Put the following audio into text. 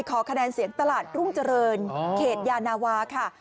ขอคะแนนเสียงตลาดรุ่งเจริญเขตยานาวาค่ะ